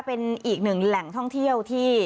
เป็นอีกหนึ่งแหล่งท่องเที่ยวที่